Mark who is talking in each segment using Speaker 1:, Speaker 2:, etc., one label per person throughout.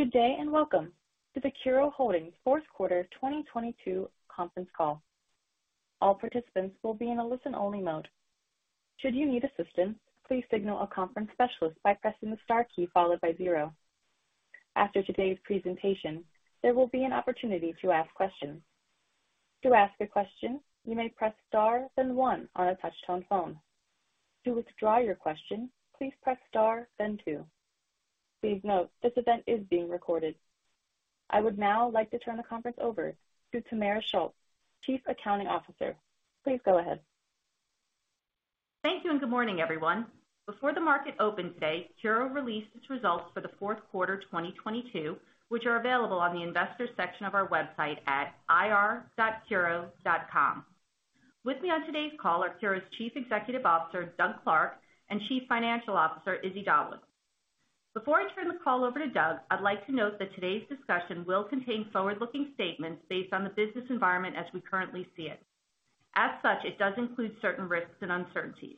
Speaker 1: Good day. Welcome to the CURO Holdings fourth quarter 2022 conference call. All participants will be in a listen-only mode. Should You need assistance, please signal a conference specialist by pressing the star key followed by 0. After today's presentation, there will be an opportunity to ask questions. To ask a question, you may press Star, then 1 on a touch-tone phone. To withdraw your question, please press Star, then 2. Please note, this event is being recorded. I would now like to turn the conference over to Tamara Schulz, Chief Accounting Officer. Please go ahead.
Speaker 2: Thank you. Good morning, everyone. Before the market opened today, CURO released its results for the fourth quarter 2022, which are available on the investors section of our website at ir.curo.com. With me on today's call are CURO's Chief Executive Officer, Doug Clark, and Chief Financial Officer, Izzy Dawood. Before I turn the call over to Doug, I'd like to note that today's discussion will contain forward-looking statements based on the business environment as we currently see it. As such, it does include certain risks and uncertainties.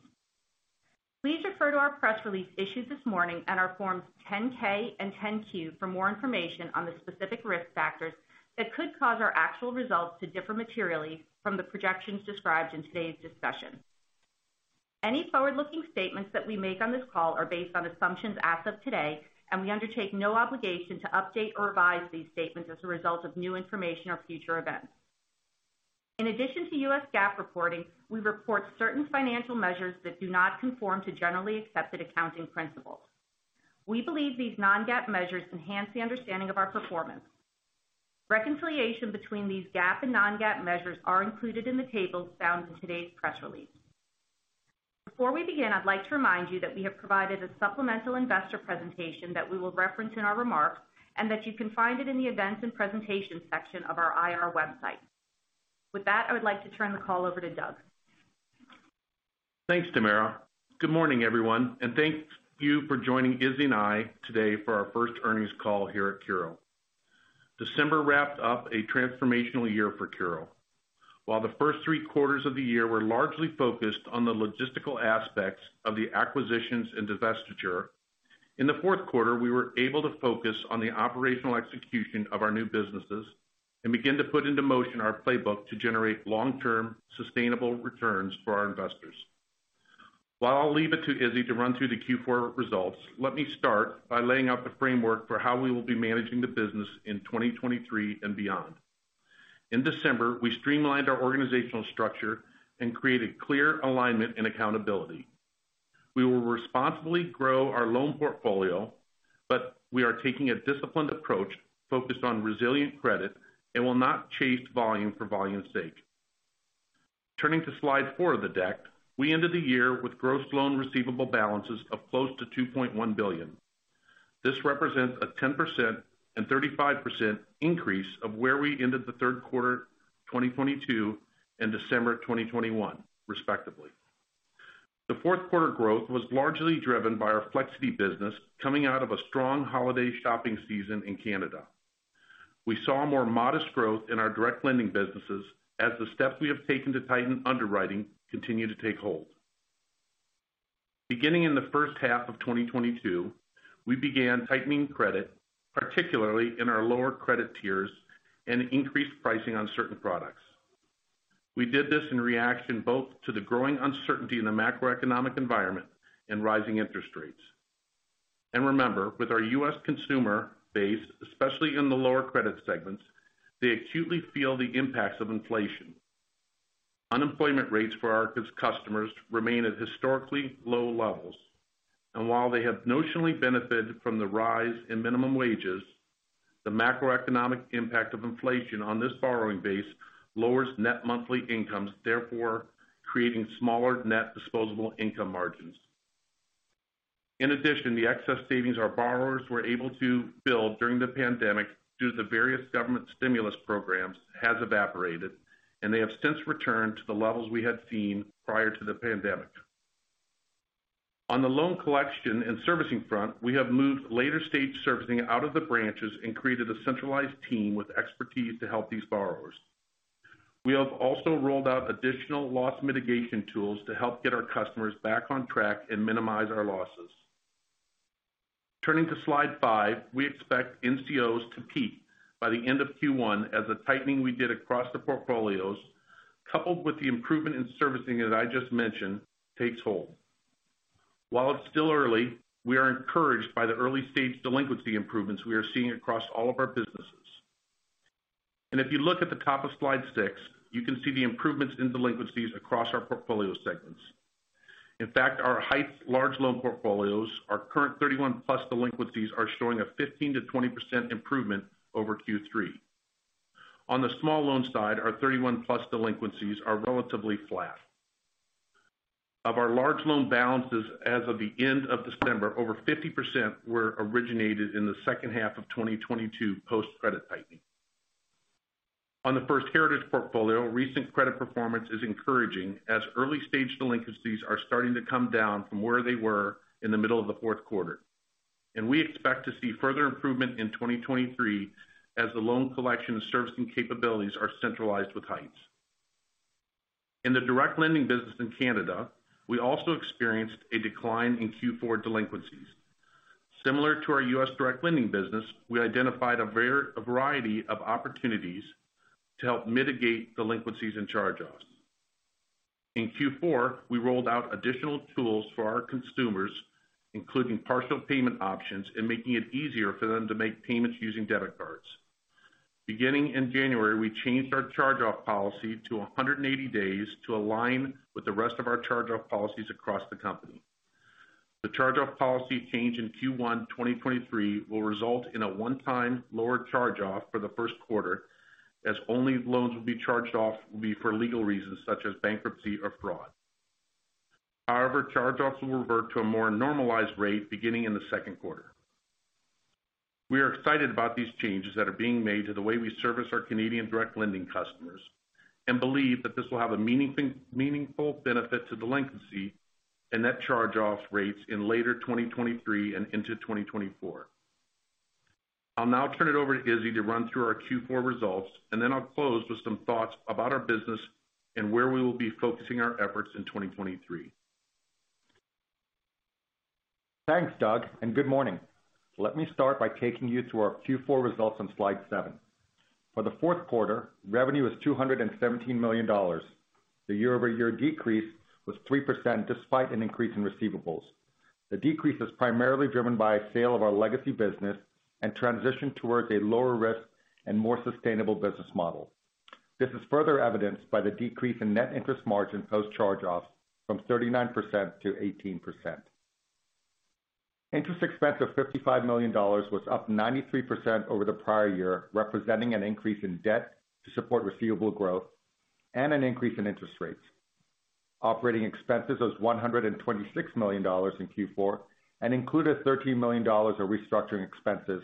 Speaker 2: Please refer to our press release issued this morning and our forms 10-K and 10-Q for more information on the specific risk factors that could cause our actual results to differ materially from the projections described in today's discussion. Any forward-looking statements that we make on this call are based on assumptions as of today, and we undertake no obligation to update or revise these statements as a result of new information or future events. In addition to U.S. GAAP reporting, we report certain financial measures that do not conform to generally accepted accounting principles. We believe these non-GAAP measures enhance the understanding of our performance. Reconciliation between these GAAP and non-GAAP measures are included in the tables found in today's press release. Before we begin, I'd like to remind you that we have provided a supplemental investor presentation that we will reference in our remarks and that you can find it in the Events and Presentation section of our IR website. With that, I would like to turn the call over to Doug.
Speaker 3: Thanks, Tamara. Good morning, everyone. Thank you for joining Izzy and I today for our first earnings call here at CURO. December wrapped up a transformational year for CURO. While the first three quarters of the year were largely focused on the logistical aspects of the acquisitions and divestiture, in the fourth quarter, we were able to focus on the operational execution of our new businesses and begin to put into motion our playbook to generate long-term sustainable returns for our investors. While I'll leave it to Izzy to run through the Q4 results, let me start by laying out the framework for how we will be managing the business in 2023 and beyond. In December, we streamlined our organizational structure and created clear alignment and accountability. We will responsibly grow our loan portfolio. We are taking a disciplined approach focused on resilient credit and will not chase volume for volume's sake. Turning to slide 4 of the deck, we ended the year with gross loan receivable balances of close to $2.1 billion. This represents a 10% and 35% increase of where we ended the third quarter 2022 and December 2021, respectively. The fourth quarter growth was largely driven by our Flexiti business coming out of a strong holiday shopping season in Canada. We saw more modest growth in our direct lending businesses as the steps we have taken to tighten underwriting continue to take hold. Beginning in the first half of 2022, we began tightening credit, particularly in our lower credit tiers, and increased pricing on certain products. We did this in reaction both to the growing uncertainty in the macroeconomic environment and rising interest rates. Remember, with our U.S. consumer base, especially in the lower credit segments, they acutely feel the impacts of inflation. Unemployment rates for our customers remain at historically low levels. While they have notionally benefited from the rise in minimum wages, the macroeconomic impact of inflation on this borrowing base lowers net monthly incomes, therefore creating smaller net disposable income margins. In addition, the excess savings our borrowers were able to build during the pandemic due to various government stimulus programs has evaporated, and they have since returned to the levels we had seen prior to the pandemic. On the loan collection and servicing front, we have moved later-stage servicing out of the branches and created a centralized team with expertise to help these borrowers. We have also rolled out additional loss mitigation tools to help get our customers back on track and minimize our losses. Turning to slide five, we expect NCOs to peak by the end of Q1 as the tightening we did across the portfolios, coupled with the improvement in servicing that I just mentioned, takes hold. While it's still early, we are encouraged by the early-stage delinquency improvements we are seeing across all of our businesses. If you look at the top of slide six, you can see the improvements in delinquencies across our portfolio segments. In fact, our Heights large loan portfolios, our current 31-plus delinquencies are showing a 15%-20% improvement over Q3. On the small loan side, our 31-plus delinquencies are relatively flat. Of our large loan balances as of the end of December, over 50% were originated in the second half of 2022 post-credit tightening. On the First Heritage portfolio, recent credit performance is encouraging as early-stage delinquencies are starting to come down from where they were in the middle of the fourth quarter. We expect to see further improvement in 2023 as the loan collection and servicing capabilities are centralized with Heights. In the direct lending business in Canada, we also experienced a decline in Q4 delinquencies. Similar to our U.S. direct lending business, we identified a variety of opportunities to help mitigate delinquencies and charge-offs. In Q4, we rolled out additional tools for our consumers, including partial payment options and making it easier for them to make payments using debit cards. Beginning in January, we changed our charge-off policy to 180 days to align with the rest of our charge-off policies across the company. The charge-off policy change in Q1 2023 will result in a one-time lower charge-off for the first quarter, as only loans will be charged off will be for legal reasons such as bankruptcy or fraud. However, charge-offs will revert to a more normalized rate beginning in the second quarter. We are excited about these changes that are being made to the way we service our Canadian direct lending customers and believe that this will have a meaningful benefit to delinquency and Net Charge-Offs rates in later 2023 and into 2024. I'll now turn it over to Izzy to run through our Q4 results, and then I'll close with some thoughts about our business and where we will be focusing our efforts in 2023.
Speaker 4: Thanks, Doug, and good morning. Let me start by taking you through our Q4 results on slide 7. For the fourth quarter, revenue was $217 million. The year-over-year decrease was 3% despite an increase in receivables. The decrease was primarily driven by a sale of our legacy business and transition towards a lower risk and more sustainable business model. This is further evidenced by the decrease in net interest margin post-charge-offs from 39% to 18%. Interest expense of $55 million was up 93% over the prior year, representing an increase in debt to support receivable growth and an increase in interest rates. Operating expenses was $126 million in Q4 and included $13 million of restructuring expenses,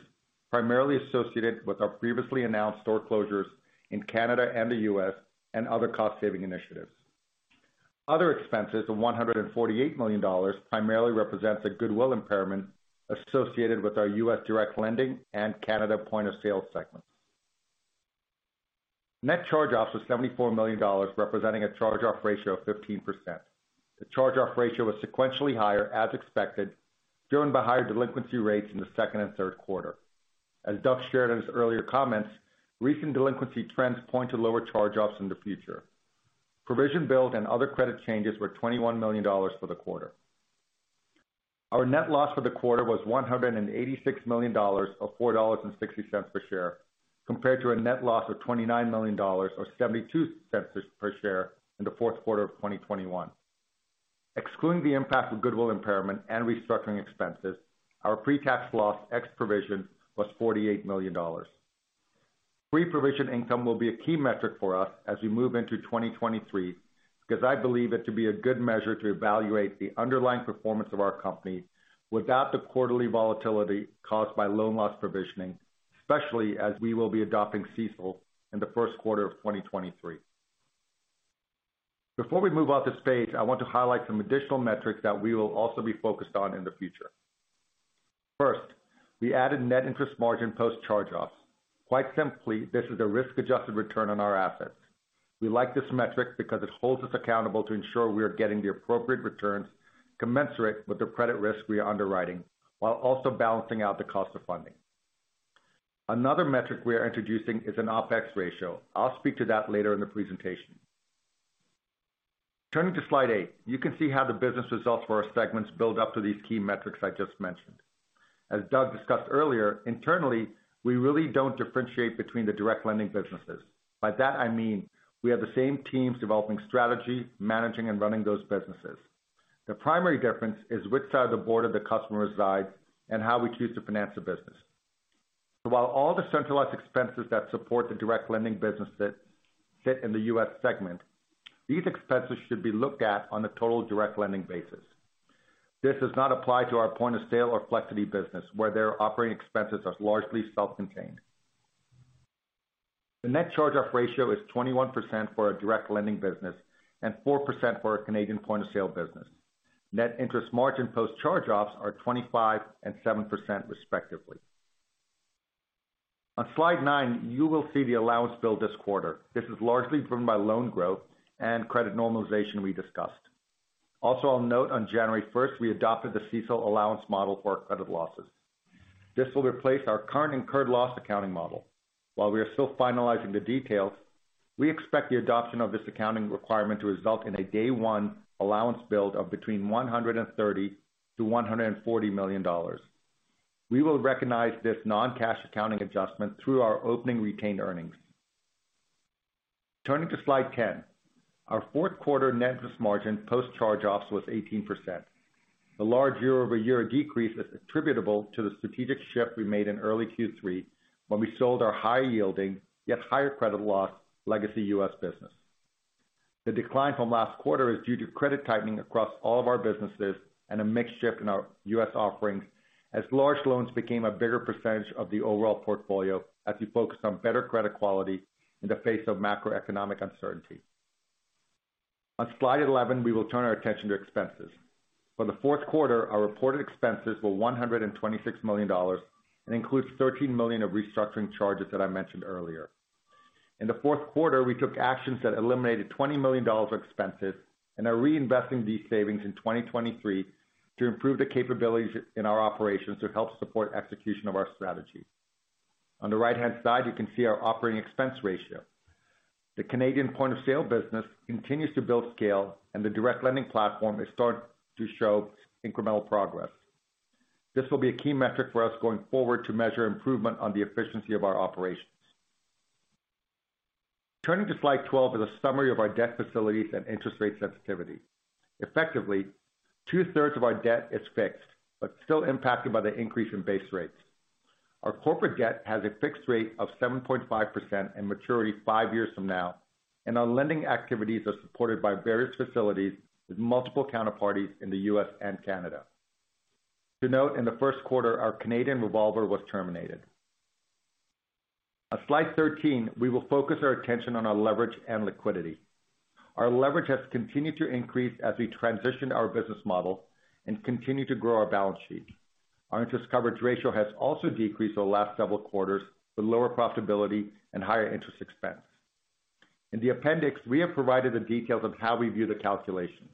Speaker 4: primarily associated with our previously announced store closures in Canada and the U.S. and other cost-saving initiatives. Other expenses of $148 million primarily represents a goodwill impairment associated with our U.S. direct lending and Canada point-of-sale segment. Net charge-offs was $74 million, representing a charge-off ratio of 15%. The charge-off ratio was sequentially higher as expected, driven by higher delinquency rates in the 2nd and 3rd quarter. As Doug shared in his earlier comments, recent delinquency trends point to lower charge-offs in the future. Provision build and other credit changes were $21 million for the quarter. Our net loss for the quarter was $186 million, or $4.60 per share, compared to a net loss of $29 million or $0.72 per share in the 4th quarter of 2021. Excluding the impact of goodwill impairment and restructuring expenses, our pre-tax loss ex provision was $48 million. Pre-provision income will be a key metric for us as we move into 2023, because I believe it to be a good measure to evaluate the underlying performance of our company without the quarterly volatility caused by loan loss provisioning, especially as we will be adopting CECL in the first quarter of 2023. Before we move off this page, I want to highlight some additional metrics that we will also be focused on in the future. First, we added net interest margin post charge-offs. Quite simply, this is a risk-adjusted return on our assets. We like this metric because it holds us accountable to ensure we are getting the appropriate returns commensurate with the credit risk we are underwriting, while also balancing out the cost of funding. Another metric we are introducing is an OpEx ratio. I'll speak to that later in the presentation. Turning to slide 8, you can see how the business results for our segments build up to these key metrics I just mentioned. As Doug discussed earlier, internally, we really don't differentiate between the direct lending businesses. By that I mean we have the same teams developing strategy, managing, and running those businesses. The primary difference is which side of the boarder the customers reside and how we choose to finance the business. While all the centralized expenses that support the direct lending businesses sit in the U.S. segment, these expenses should be looked at on a total direct lending basis. This does not apply to our point of sale or Flexiti business, where their operating expenses are largely self-contained. The net charge-off ratio is 21% for our direct lending business and 4% for our Canadian point-of-sale business. Net interest margin post charge-offs are 25% and 7% respectively. On slide 9, you will see the allowance build this quarter. This is largely driven by loan growth and credit normalization we discussed. I'll note on January first, I adopted the CECL allowance model for our credit losses. This will replace our current incurred loss accounting model. While we are still finalizing the details, we expect the adoption of this accounting requirement to result in a day one allowance build of between $130 million to $140 million. We will recognize this non-cash accounting adjustment through our opening retained earnings. Turning to slide 10, our fourth quarter net interest margin post charge-offs was 18%. The large year-over-year decrease is attributable to the strategic shift we made in early Q3 when we sold our higher-yielding yet higher credit loss legacy U.S. business. The decline from last quarter is due to credit tightening across all of our businesses and a mix shift in our U.S. offerings as large loans became a bigger percentage of the overall portfolio as we focused on better credit quality in the face of macroeconomic uncertainty. On slide 11, we will turn our attention to expenses. For the fourth quarter, our reported expenses were $126 million and includes $13 million of restructuring charges that I mentioned earlier. In the fourth quarter, we took actions that eliminated $20 million of expenses and are reinvesting these savings in 2023 to improve the capabilities in our operations to help support execution of our strategy. On the right-hand side, you can see our operating expense ratio. The Canadian point-of-sale business continues to build scale, and the direct lending platform is starting to show incremental progress. This will be a key metric for us going forward to measure improvement on the efficiency of our operations. Turning to slide 12 is a summary of our debt facilities and interest rate sensitivity. Effectively, two-thirds of our debt is fixed but still impacted by the increase in base rates. Our corporate debt has a fixed rate of 7.5% and maturity five years from now, and our lending activities are supported by various facilities with multiple counterparties in the U.S. and Canada. To note, in the first quarter, our Canadian revolver was terminated. On slide 13, we will focus our attention on our leverage and liquidity. Our leverage has continued to increase as we transition our business model and continue to grow our balance sheet. Our interest coverage ratio has also decreased the last several quarters with lower profitability and higher interest expense. In the appendix, we have provided the details of how we view the calculations.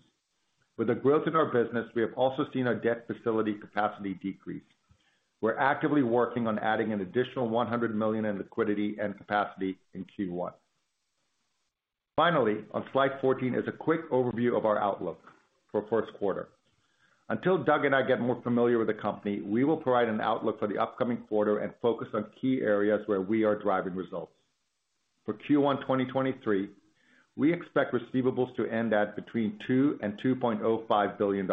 Speaker 4: With the growth in our business, we have also seen our debt facility capacity decrease. We're actively working on adding an additional $100 million in liquidity and capacity in Q1. On slide 14 is a quick overview of our outlook for first quarter. Until Doug and I get more familiar with the company, we will provide an outlook for the upcoming quarter and focus on key areas where we are driving results. For Q1 2023, we expect receivables to end at between $2 billion and $2.05 billion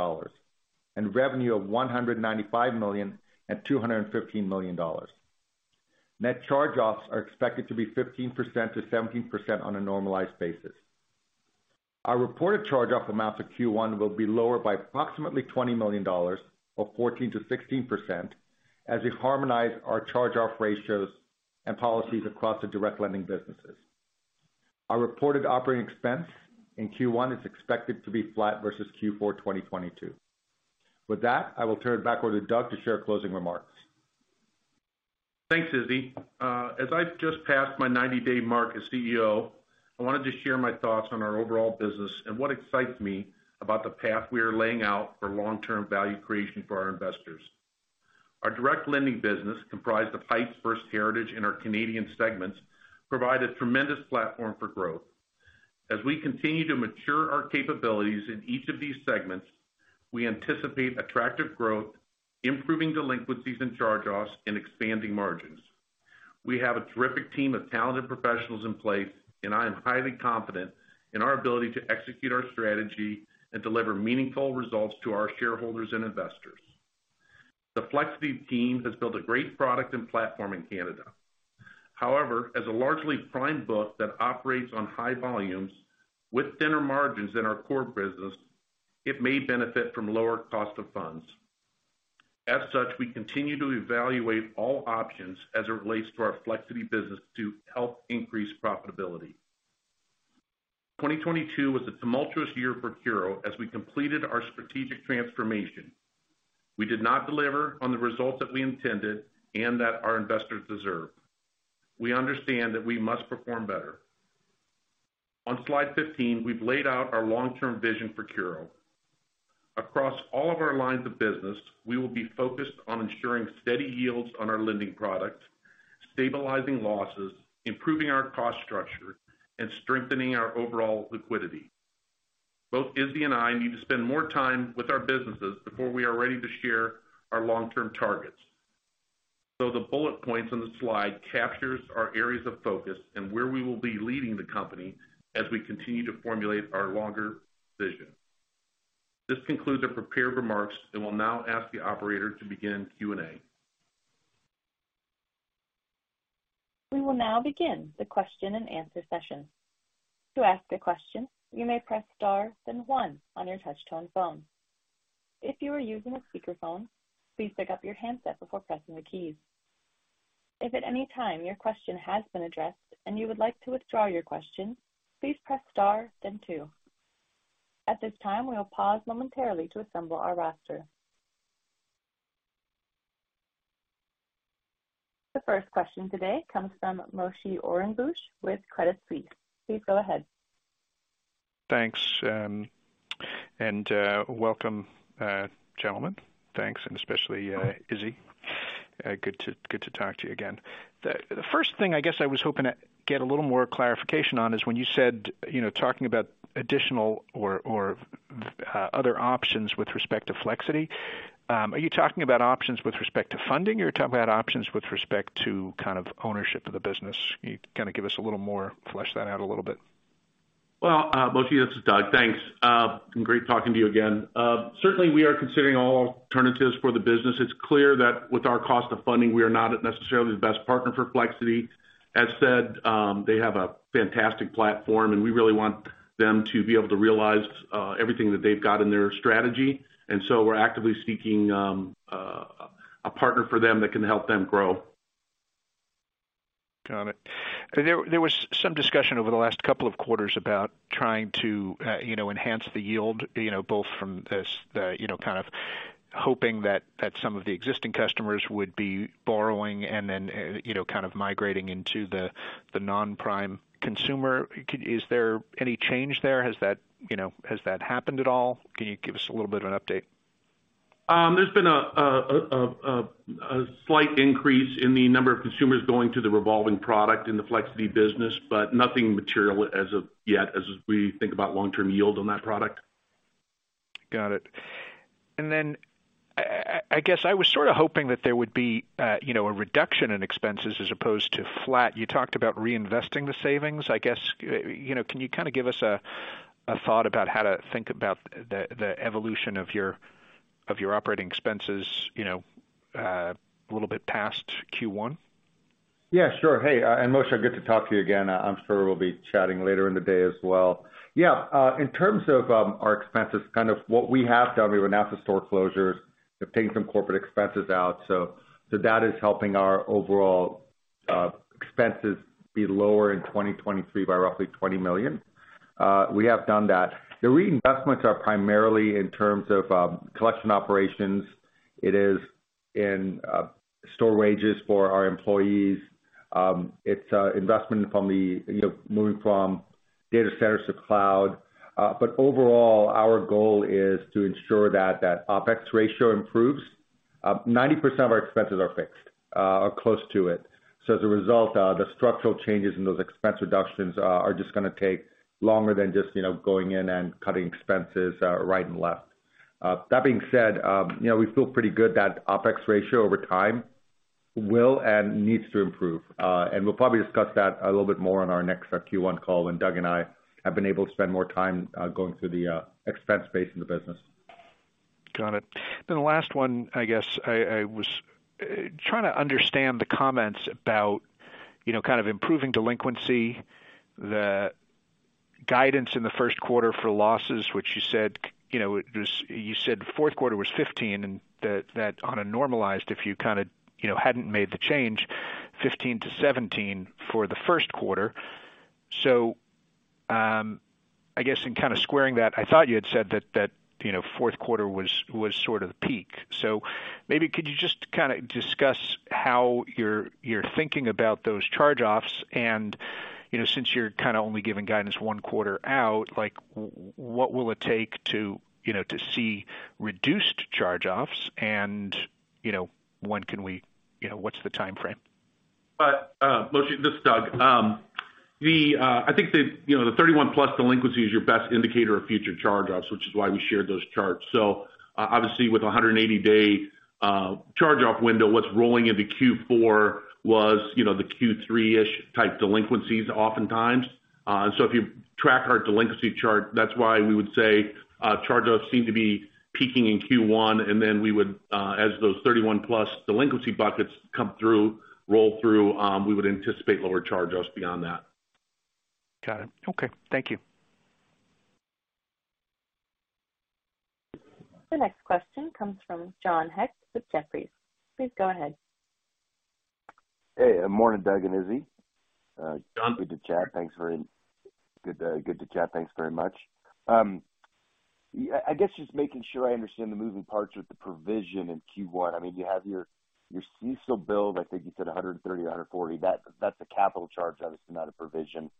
Speaker 4: and revenue of $195 million and $215 million. Net Charge-Offs are expected to be 15%-17% on a normalized basis. Our reported charge-off amounts of Q1 will be lower by approximately $20 million, or 14%-16%, as we harmonize our charge-off ratios and policies across the direct lending businesses. Our reported OpEx in Q1 is expected to be flat versus Q4 2022. With that, I will turn it back over to Doug to share closing remarks.
Speaker 3: Thanks, Izzy. As I've just passed my 90-day mark as CEO, I wanted to share my thoughts on our overall business and what excites me about the path we are laying out for long-term value creation for our investors. Our direct lending business, comprised of Heights, First Heritage, and our Canadian segments, provide a tremendous platform for growth. As we continue to mature our capabilities in each of these segments, we anticipate attractive growth, improving delinquencies and charge-offs, and expanding margins. We have a terrific team of talented professionals in place, and I am highly confident in our ability to execute our strategy and deliver meaningful results to our shareholders and investors. The Flexiti team has built a great product and platform in Canada. As a largely prime book that operates on high volumes with thinner margins than our core business, it may benefit from lower cost of funds. We continue to evaluate all options as it relates to our Flexiti business to help increase profitability. 2022 was a tumultuous year for CURO as we completed our strategic transformation. We did not deliver on the results that we intended and that our investors deserve. We understand that we must perform better. On slide 15, we've laid out our long-term vision for CURO. Across all of our lines of business, we will be focused on ensuring steady yields on our lending products, stabilizing losses, improving our cost structure, and strengthening our overall liquidity. Both Izzy and I need to spend more time with our businesses before we are ready to share our long-term targets. The bullet points on the slide capture our areas of focus and where we will be leading the company as we continue to formulate our longer vision. This concludes our prepared remarks and will now ask the operator to begin Q&A.
Speaker 1: We will now begin the question-and-answer session. To ask a question, you may press star then one on your touch-tone phone. If you are using a speakerphone, please pick up your handset before pressing the keys. If at any time your question has been addressed and you would like to withdraw your question, please press star then two. At this time, we will pause momentarily to assemble our roster. The first question today comes from Moshe Orenbuch with Credit Suisse. Please go ahead.
Speaker 5: Thanks, welcome gentlemen. Thanks, especially Izzy. Good to talk to you again. The first thing I guess I was hoping to get a little more clarification on is when you said, you know, talking about additional or other options with respect to Flexiti, are you talking about options with respect to funding, or are you talking about options with respect to kind of ownership of the business? Can you kind of give us a little more flesh that out a little bit?
Speaker 3: Well, Moshe, this is Doug, thanks. Great talking to you again. Certainly we are considering all alternatives for the business. It's clear that with our cost of funding, we are not necessarily the best partner for Flexiti. As said, they have a fantastic platform, and we really want them to be able to realize everything that they've got in their strategy. We're actively seeking a partner for them that can help them grow.
Speaker 5: Got it. There was some discussion over the last couple of quarters about trying to, you know, enhance the yield, you know, both from this, the, you know, kind of hoping that some of the existing customers would be borrowing and then, you know, kind of migrating into the non-prime consumer. Is there any change there? Has that, you know, happened at all? Can you give us a little bit of an update?
Speaker 4: There's been a slight increase in the number of consumers going to the revolving product in the Flexiti business. Nothing material as of yet as we think about long-term yield on that product.
Speaker 5: Got it. I guess I was sort of hoping that there would be, you know, a reduction in expenses as opposed to flat. You talked about reinvesting the savings. I guess, you know, can you kind of give us a thought about how to think about the evolution of your operating expenses, you know, a little bit past Q1?
Speaker 4: Yeah, sure. Hey, Moshe, good to talk to you again. I'm sure we'll be chatting later in the day as well. Yeah. In terms of our expenses, kind of what we have done, we've announced the store closures. We've taken some corporate expenses out, that is helping our overall expenses be lower in 2023 by roughly $20 million. We have done that. The reinvestments are primarily in terms of collection operations. It is in store wages for our employees. It's investment from the, you know, moving from data centers to cloud. Overall, our goal is to ensure that that OpEx ratio improves. 90% of our expenses are fixed, or close to it. As a result, the structural changes in those expense reductions are just gonna take longer than just, you know, going in and cutting expenses right and left. That being said, you know, we feel pretty good that OpEx ratio over time will and needs to improve. We'll probably discuss that a little bit more on our next Q1 call when Doug and I have been able to spend more time going through the expense base in the business.
Speaker 5: Got it. The last one, I guess, I was trying to understand the comments about, you know, kind of improving delinquency, the guidance in the first quarter for losses, which you said, you know, it was. You said fourth quarter was 15, and that on a normalized, if you kind of, you know, hadn't made the change, 15-17 for the first quarter. I guess in kind of squaring that, I thought you had said that, you know, fourth quarter was sort of the peak. Maybe could you just kind of discuss how you're thinking about those charge-offs? You know, since you're kind of only giving guidance 1 quarter out, like what will it take to, you know, to see reduced charge-offs? You know, when can we? You know, what's the timeframe?
Speaker 4: Moshe, this is Doug. I think, you know, the 31 plus delinquency is your best indicator of future charge-offs, which is why we shared those charts. Obviously with a 180-day charge-off window, what's rolling into Q4 was, you know, the Q3-ish type delinquencies oftentimes. If you track our delinquency chart, that's why we would say charge-offs seem to be peaking in Q1, and then we would, as those 31 plus delinquency buckets come through, roll through, we would anticipate lower charge-offs beyond that.
Speaker 5: Got it. Okay. Thank you.
Speaker 1: The next question comes from John Hecht with Jefferies. Please go ahead.
Speaker 6: Hey. Morning, Doug and Izzy.
Speaker 4: John.
Speaker 6: Good to chat. Thanks very much. I guess just making sure I understand the moving parts with the provision in Q1. I mean, you have your CECL build. I think you said $130, $140. That's a capital charge, obviously, not a provision.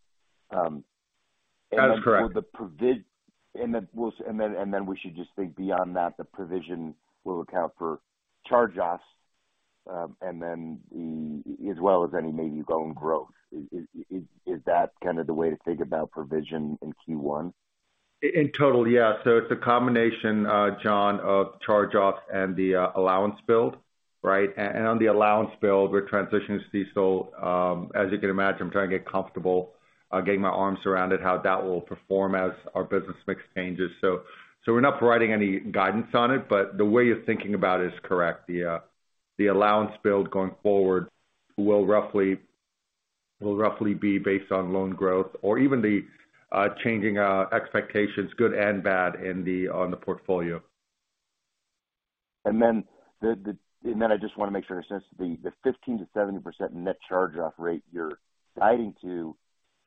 Speaker 4: That is correct.
Speaker 6: Will the and then we'll and then we should just think beyond that, the provision will account for charge-offs, and then the... As well as any maybe loan growth. Is that kind of the way to think about provision in Q1?
Speaker 4: In total, yeah. It's a combination, John, of charge-offs and the allowance build, right? On the allowance build, we're transitioning to CECL. As you can imagine, I'm trying to get comfortable getting my arms around it, how that will perform as our business mix changes. We're not providing any guidance on it, the way you're thinking about it is correct. The allowance build going forward will roughly be based on loan growth or even the changing expectations, good and bad, on the portfolio.
Speaker 6: I just wanna make sure I understand. The 15% to 70% net charge-off rate you're guiding to,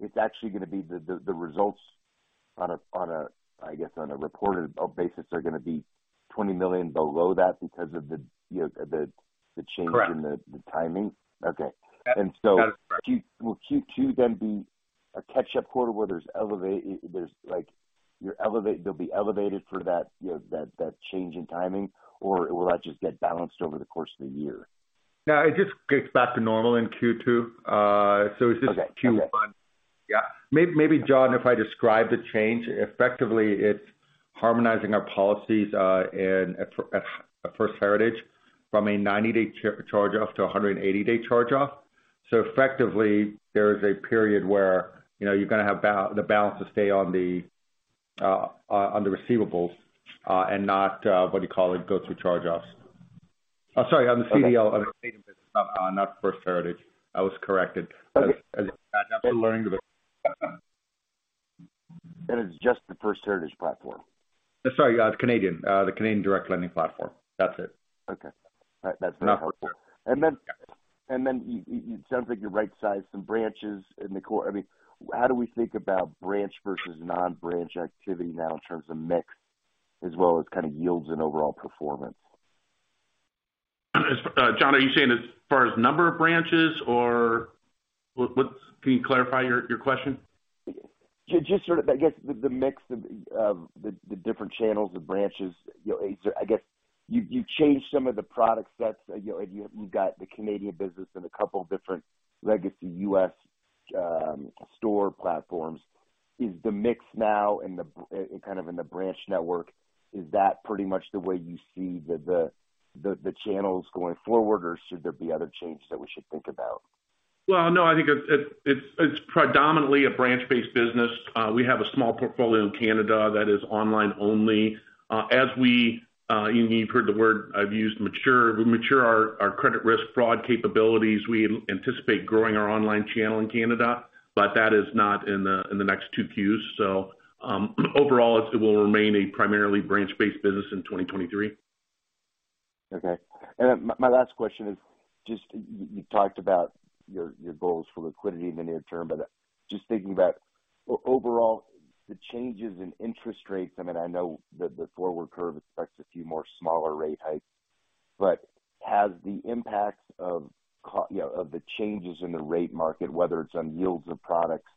Speaker 6: it's actually gonna be the results on a, I guess, on a reported basis are gonna be $20 million below that because of the, you know, the change-
Speaker 4: Correct.
Speaker 6: In the timing? Okay.
Speaker 4: That is correct.
Speaker 6: Will Q2 then be a catch-up quarter where they'll be elevated for that, you know, that change in timing, or will that just get balanced over the course of the year?
Speaker 4: No, it just gets back to normal in Q2.
Speaker 6: Okay. Cool.
Speaker 4: Yeah. Maybe, John, if I describe the change, effectively it's harmonizing our policies, in, at First Heritage from a 90-day charge-off to a 180-day charge-off. Effectively there is a period where, you know, you're gonna have the balances stay on the on the receivables, and not, what do you call it, go through charge-offs. I'm sorry, on the CDL, on the CDL business, not First Heritage. I was corrected.
Speaker 6: Okay.
Speaker 4: As I'm still learning the business.
Speaker 6: It's just the First Heritage platform.
Speaker 3: Sorry, Canadian, the Canadian direct lending platform. That's it.
Speaker 6: Okay. That's very helpful.
Speaker 3: Yeah.
Speaker 6: You sound like you right-sized some branches in the quarter. I mean, how do we think about branch versus non-branch activity now in terms of mix as well as kind of yields and overall performance?
Speaker 3: John, are you saying as far as number of branches, or can you clarify your question?
Speaker 6: Just sort of, I guess the mix of, the different channels, the branches. You know, is there I guess you changed some of the product sets. You know, you've got the Canadian business and a couple different legacy U.S. store platforms. Is the mix now in the kind of in the branch network, is that pretty much the way you see the channels going forward, or should there be other changes that we should think about?
Speaker 3: Well, no, I think it's, it's predominantly a branch-based business. We have a small portfolio in Canada that is online only. As you've heard the word I've used, mature. We mature our credit risk fraud capabilities. We anticipate growing our online channel in Canada, but that is not in the, in the next 2 Qs. Overall, it will remain a primarily branch-based business in 2023.
Speaker 6: Okay. My last question is just, you talked about your goals for liquidity in the near term. Just thinking about overall, the changes in interest rates. I mean, I know that the forward curve expects a few more smaller rate hikes. Has the impact of you know, of the changes in the rate market, whether it's on yields of products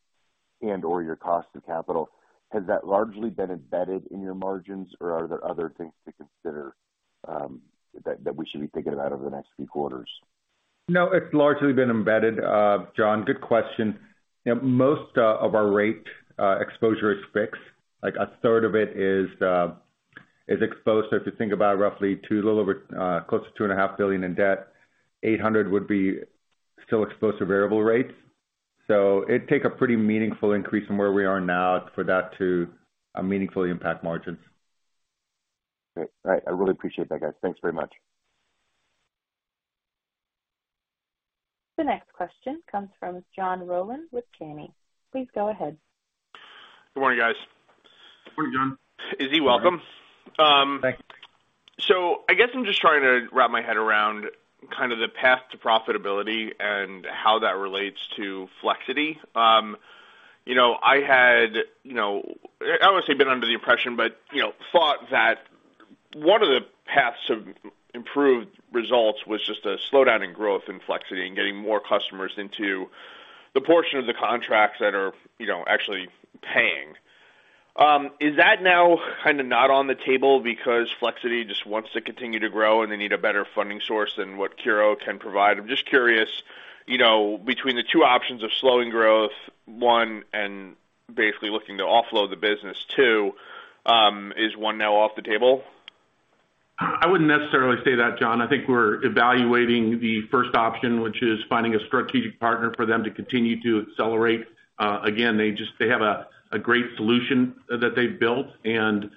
Speaker 6: and/or your cost of capital, has that largely been embedded in your margins, or are there other things to consider, that we should be thinking about over the next few quarters?
Speaker 3: No, it's largely been embedded. John, good question. You know, most of our rate exposure is fixed. Like a third of it is exposed. If you think about roughly two, a little over, close to $2.5 billion in debt, $800 would be still exposed to variable rates. It'd take a pretty meaningful increase from where we are now for that to meaningfully impact margins.
Speaker 6: Great. All right. I really appreciate that, guys. Thanks very much.
Speaker 1: The next question comes from John Rowan with Janney. Please go ahead.
Speaker 7: Good morning, guys.
Speaker 3: Morning, John.
Speaker 7: Izzy, welcome.
Speaker 4: Thanks.
Speaker 7: I guess I'm just trying to wrap my head around kind of the path to profitability and how that relates to Flexiti. you know, I had, you know, I don't want to say been under the impression, but, you know, thought that one of the paths of improved results was just a slowdown in growth in Flexiti and getting more customers into the portion of the contracts that are, you know, actually paying. Is that now kind of not on the table because Flexiti just wants to continue to grow, and they need a better funding source than what CURO can provide? I'm just curious, you know, between the two options of slowing growth, one, and basically looking to offload the business, two, is one now off the table?
Speaker 3: I wouldn't necessarily say that, John. I think we're evaluating the first option, which is finding a strategic partner for them to continue to accelerate. Again, they have a great solution that they've built, and,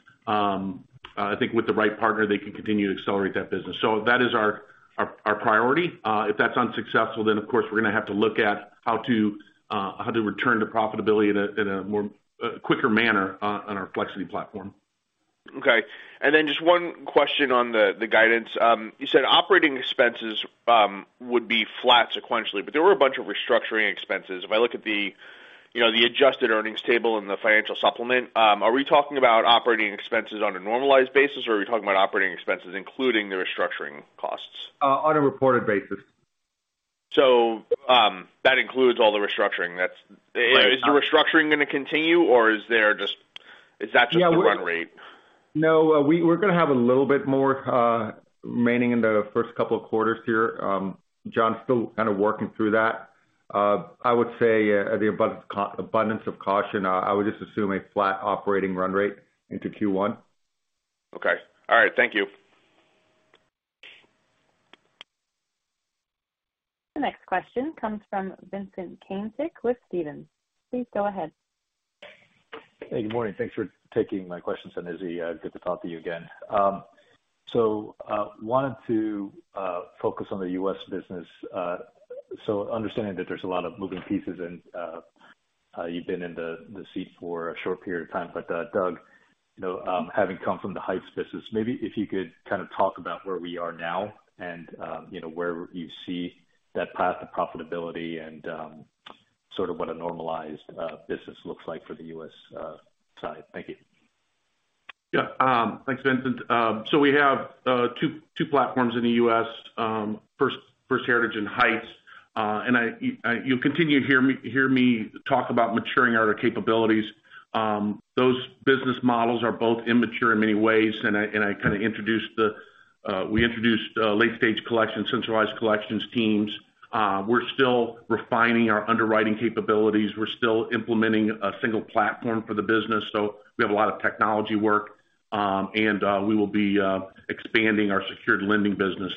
Speaker 3: I think with the right partner, they can continue to accelerate that business. That is our, our priority. If that's unsuccessful, then of course, we're gonna have to look at how to return to profitability in a more quicker manner on our Flexiti platform.
Speaker 7: Okay. Just one question on the guidance. You said operating expenses would be flat sequentially, but there were a bunch of restructuring expenses. If I look at the, you know, the adjusted earnings table in the financial supplement, are we talking about operating expenses on a normalized basis, or are we talking about operating expenses including the restructuring costs?
Speaker 3: On a reported basis.
Speaker 7: That includes all the restructuring.
Speaker 3: Right.
Speaker 7: Is the restructuring gonna continue, or is there just-?
Speaker 3: Yeah.
Speaker 7: Is that just the run rate?
Speaker 3: No. We're gonna have a little bit more remaining in the first couple of quarters here. John, still kind of working through that. I would say, at the abundance of caution, I would just assume a flat operating run rate into Q1.
Speaker 7: Okay. All right. Thank you.
Speaker 1: The next question comes from Vincent Caintic with Stephens. Please go ahead.
Speaker 8: Hey, good morning. Thanks for taking my questions on Izzy. Good to talk to you again. Wanted to focus on the U.S. business. Understanding that there's a lot of moving pieces and you've been in the seat for a short period of time. Doug, you know, having come from the Heights Finance business, maybe if you could kind of talk about where we are now and, you know, where you see that path to profitability and sort of what a normalized business looks like for the U.S. side. Thank you.
Speaker 3: Yeah. Thanks, Vincent. We have two platforms in the US, First Heritage and Heights. I, you'll continue to hear me talk about maturing our capabilities. Those business models are both immature in many ways, we introduced late-stage collection, centralized collections teams. We're still refining our underwriting capabilities. We're still implementing a single platform for the business, so we have a lot of technology work. We will be expanding our secured lending business.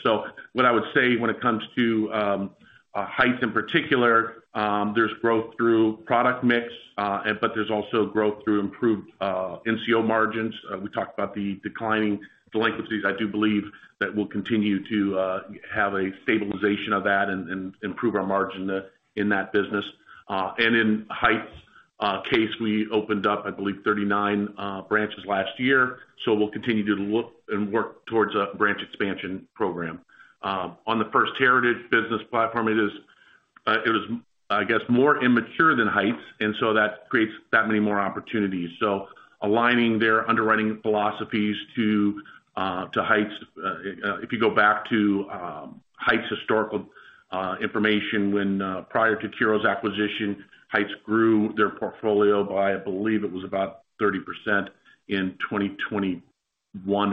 Speaker 3: What I would say when it comes to Heights in particular, there's growth through product mix, but there's also growth through improved NCO margins. We talked about the declining delinquencies. I do believe that we'll continue to have a stabilization of that and improve our margin in that business. In Heights case we opened up, I believe, 39 branches last year. We'll continue to look and work towards a branch expansion program. On the First Heritage business platform, it is, it was, I guess, more immature than Heights, and so that creates that many more opportunities. Aligning their underwriting philosophies to Heights. If you go back to Heights' historical information when prior to CURO's acquisition, Heights grew their portfolio by, I believe it was about 30% in 2021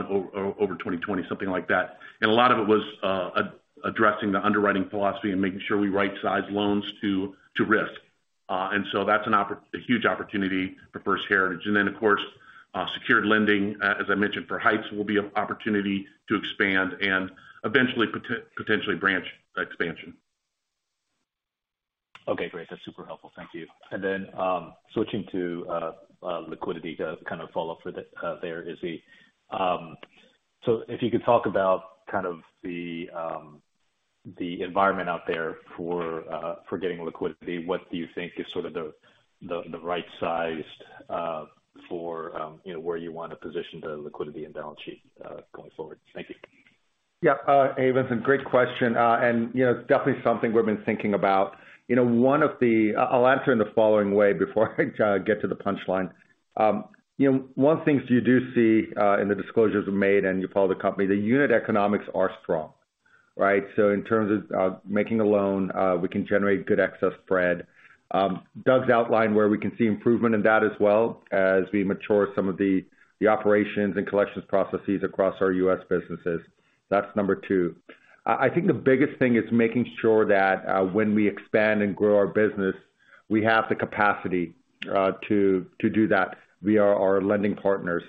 Speaker 3: over 2020, something like that. A lot of it was addressing the underwriting philosophy and making sure we right-sized loans to risk. That's a huge opportunity for First Heritage. Of course, secured lending, as I mentioned, for Heights will be an opportunity to expand and eventually potentially branch expansion.
Speaker 8: Okay, great. That's super helpful. Thank you. Switching to liquidity to kind of follow up for there, Izzy. If you could talk about kind of the environment out there for getting liquidity. What do you think is sort of the right size for, you know, where you want to position the liquidity and balance sheet going forward? Thank you.
Speaker 4: Yeah, John Rowan, great question. You know, it's definitely something we've been thinking about. You know, I'll answer in the following way before I get to the punchline. You know, one of the things you do see in the disclosures we made, and you follow the company, the unit economics are strong, right? In terms of making a loan, we can generate good excess spread. Doug's outlined where we can see improvement in that as well as we mature some of the operations and collections processes across our U.S. businesses. That's number two. I think the biggest thing is making sure that when we expand and grow our business, we have the capacity to do that via our lending partners.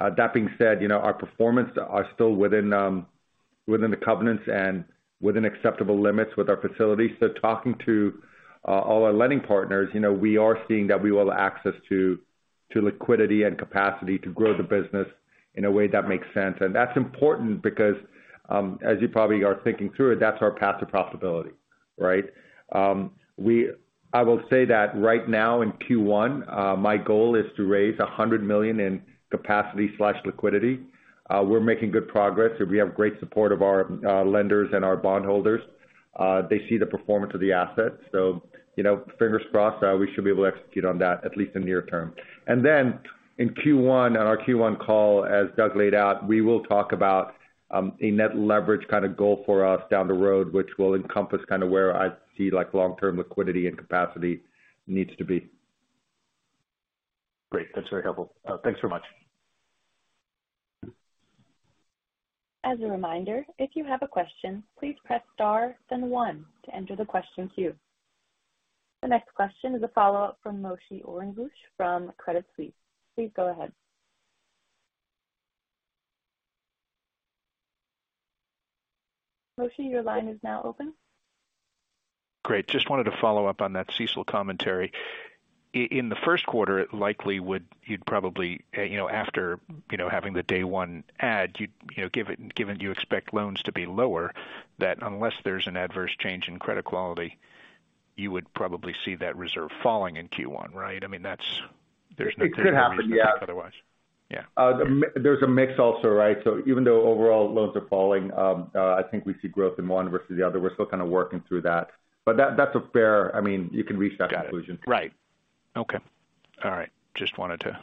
Speaker 4: That being said, you know, our performance are still within the covenants and within acceptable limits with our facilities. Talking to, all our lending partners, you know, we are seeing that we will access to liquidity and capacity to grow the business in a way that makes sense. That's important because, as you probably are thinking through it, that's our path to profitability, right? I will say that right now in Q1, my goal is to raise $100 million in capacity/liquidity. We're making good progress. We have great support of our lenders and our bondholders. They see the performance of the assets. You know, fingers crossed, we should be able to execute on that, at least in near term. In Q1, on our Q1 call, as Doug laid out, we will talk about a net leverage kinda goal for us down the road, which will encompass kinda where I see like long-term liquidity and capacity needs to be.
Speaker 8: Great. That's very helpful. Thanks so much.
Speaker 1: As a reminder, if you have a question, please press star then one to enter the question queue. The next question is a follow-up from Moshe Orenbuch from Credit Suisse. Please go ahead. Moshe, your line is now open.
Speaker 5: Great. Just wanted to follow up on that CECL commentary. In the first quarter, you'd probably, you know, after, you know, having the day 1 ad, you'd, you know, given you expect loans to be lower, that unless there's an adverse change in credit quality, you would probably see that reserve falling in Q1, right? I mean, that's. There's no reason.
Speaker 4: It could happen, yeah.
Speaker 5: Otherwise. Yeah.
Speaker 4: There's a mix also, right? Even though overall loans are falling, I think we see growth in one versus the other. We're still kinda working through that. That's a fair... I mean, you can reach that conclusion.
Speaker 5: Got it. Right. Okay. All right. Just wanted to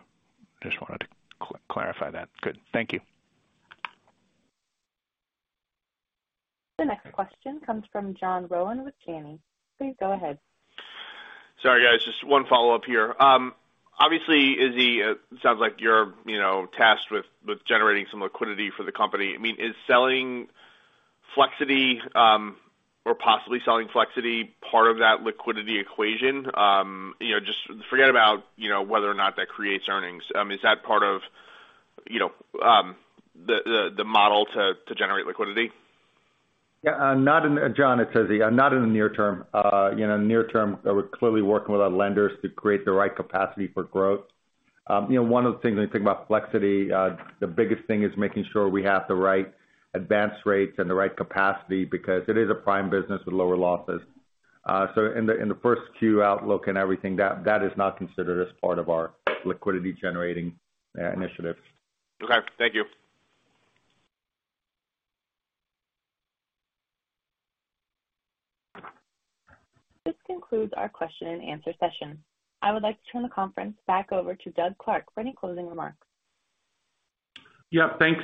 Speaker 5: clarify that. Good. Thank you.
Speaker 1: The next question comes from John Rowan with Janney. Please go ahead.
Speaker 7: Sorry, guys, just one follow-up here. Obviously, Izzy, sounds like you're, you know, tasked with generating some liquidity for the company. I mean, is selling Flexiti, or possibly selling Flexiti part of that liquidity equation? You know, just forget about, you know, whether or not that creates earnings. Is that part of, you know, the model to generate liquidity?
Speaker 4: Yeah, not in. John, it's Izzy. Not in the near term. You know, near term, we're clearly working with our lenders to create the right capacity for growth. You know, one of the things when you think about Flexiti, the biggest thing is making sure we have the right advanced rates and the right capacity because it is a prime business with lower losses. In the first Q outlook and everything, that is not considered as part of our liquidity-generating initiatives.
Speaker 7: Okay, thank you.
Speaker 1: This concludes our question and answer session. I would like to turn the conference back over to Doug Clark for any closing remarks.
Speaker 3: Thanks,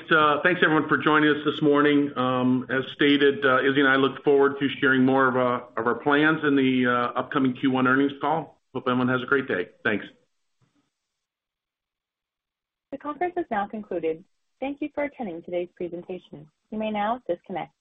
Speaker 3: everyone, for joining us this morning. As stated, Izzy and I look forward to sharing more of our plans in the upcoming Q1 earnings call. Hope everyone has a great day. Thanks.
Speaker 1: The conference is now concluded. Thank you for attending today's presentation. You may now disconnect.